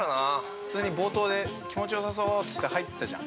普通に冒頭で気持ちよさそうっつって入ったじゃん。